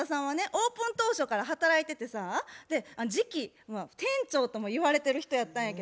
オープン当初から働いててさ次期店長ともいわれてる人やったんやけどね